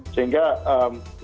sehingga ini menjadi soal